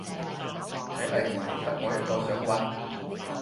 睇嚟唔係得我一個想搵